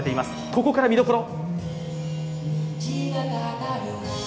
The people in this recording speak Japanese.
ここから見どころ。